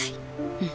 うん。